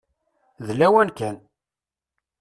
D lawan kan.